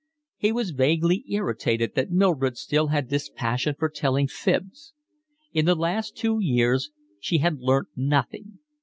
He was vaguely irritated that Mildred still had this passion for telling fibs. In the last two years she had learnt nothing.